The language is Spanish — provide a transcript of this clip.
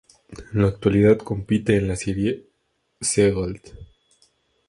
En la actualidad compite en la Serie C Gold.